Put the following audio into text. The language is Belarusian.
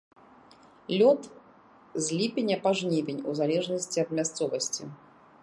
Лёт з ліпеня па жнівень у залежнасці ад мясцовасці.